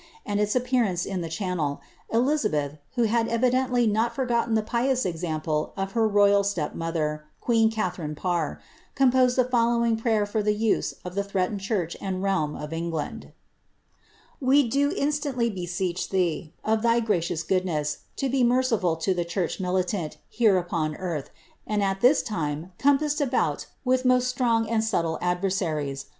and its appearance in the Channel, Elizabeth, who had eridendy sol forgotten the pious example of her royal step mother, queen Katharioe Parr, composed the following prayer for the use of the threatened chuict and realm of England :—" We ilo iniiianil/ beseech Ihee, of ihy gracious goodness, lo be mereifiil to if Church militant here upon earth, anil hi this time compassed about wiih nnW strong and sublla adversaries.